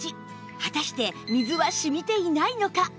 果たして水は染みていないのか？